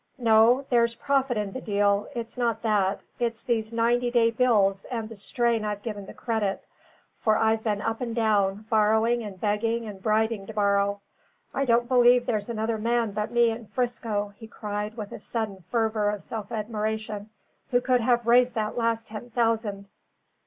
No, there's profit in the deal; it's not that; it's these ninety day bills, and the strain I've given the credit, for I've been up and down, borrowing, and begging and bribing to borrow. I don't believe there's another man but me in 'Frisco," he cried, with a sudden fervor of self admiration, "who could have raised that last ten thousand!